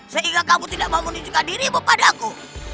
sehingga kamu tidak mau menunjukkan dirimu pada aku